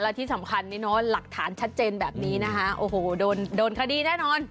และที่สำคัญนี่เนอะหลักฐานชัดเจนแบบนี้นะคะโอ้โหโดนโดนคดีแน่นอน